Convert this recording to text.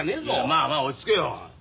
まあまあ落ち着けよ。